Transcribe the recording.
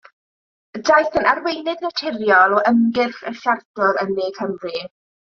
Daeth yn arweinydd naturiol o ymgyrch y siartwyr yn Ne Cymru.